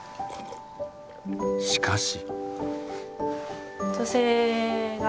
しかし。